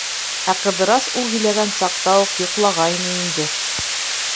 Ә Ҡыҙырас ул һөйләгән саҡта уҡ йоҡлағайны инде.